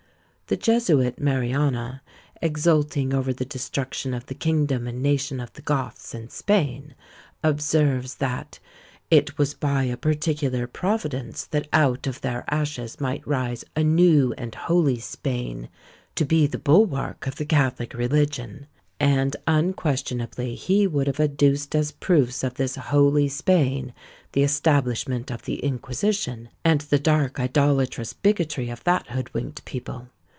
The Jesuit Mariana, exulting over the destruction of the kingdom and nation of the Goths in Spain, observes, that "It was by a particular providence that out of their ashes might rise a new and holy Spain, to be the bulwark of the catholic religion;" and unquestionably he would have adduced as proofs of this "holy Spain" the establishment of the Inquisition, and the dark idolatrous bigotry of that hoodwinked people.